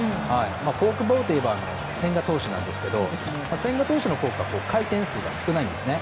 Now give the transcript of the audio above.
フォークボールといえば千賀投手なんですけど千賀投手のフォークは回転数が少ないんですね。